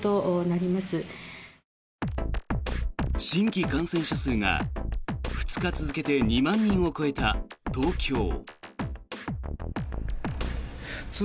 新規感染者数が２日続けて２万人を超えた東京。